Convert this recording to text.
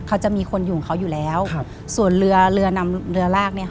เขาจะมีคนอยู่ของเขาอยู่แล้วส่วนเรือเรือนำเรือลากเนี่ย